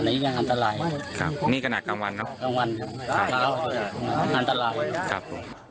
อันนี้ยังอันตรายครับมีขนาดกลางวันเนอะอันตรายครับ